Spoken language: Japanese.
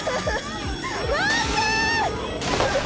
待って！